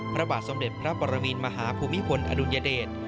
พระบาทสมเด็จพระปรมินมหาภูมิพลอดุลยเดช